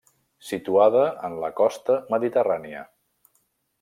Situada en la costa Mediterrània.